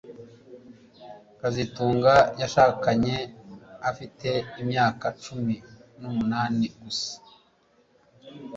kazitunga yashakanye afite imyaka cumi numunani gusa